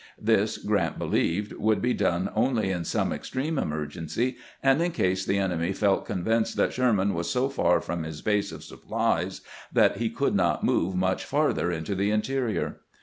This, Grant believed, would be done only in some extreme emergency, and in case the enemy felt convinced that Sherman was so far from his base of supplies that he could not move much farther into the interior.